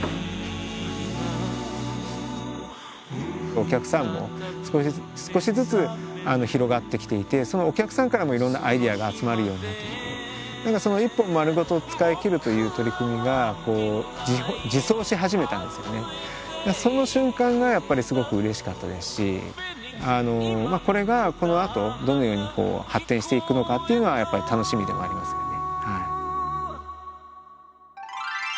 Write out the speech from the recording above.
お客さんも少しずつ広がってきていてそのお客さんからもいろんなアイデアが集まるようになってきてその瞬間がやっぱりすごくうれしかったですしこれがこのあとどのように発展していくのかっていうのはやっぱり楽しみでもありますよね。